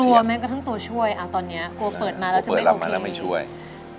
กลัวไหมก็ต้องตัวช่วยตอนนี้กลัวเปิดมาแล้วจะไม่โอเค